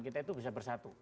kita itu bisa bersatu